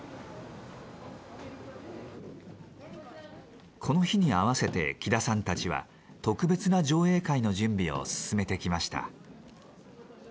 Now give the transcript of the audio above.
この日に合わせて喜田さんたちは特別な上映会の準備を進めてきました。